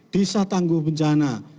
desa tangguh bencana